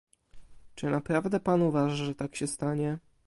Czy naprawdę pan uważa, że tak się stanie?